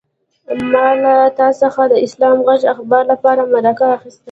ما له تا څخه د اسلام غږ اخبار لپاره مرکه اخيسته.